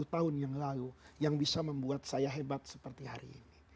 sepuluh tahun yang lalu yang bisa membuat saya hebat seperti hari ini